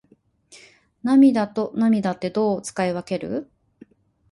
涙と泪ってどう使い分ける？